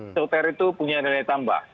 sotar itu punya nilai tambah